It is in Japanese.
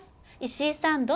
石井さん